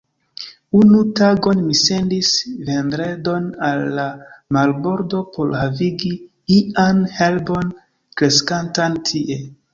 Unu tagon mi sendis Vendredon al la marbordo por havigi ian herbon kreskantan tie.